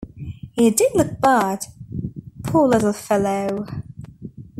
He did look bad, poor little fellow!